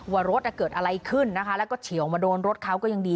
ว่ารถเกิดอะไรขึ้นนะคะแล้วก็เฉียวมาโดนรถเขาก็ยังดี